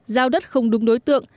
giao đất không đúng đối tượng